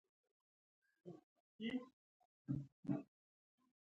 ساده ژوند خپله یوه ښکلا ده.